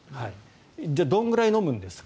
じゃあどれくらい飲むんですか。